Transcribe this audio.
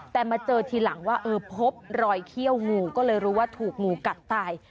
แต่มาเจอทีหลังว่าเออพบรอยเขี้ยวงูก็เลยรู้ว่าถูกงูกัดตาย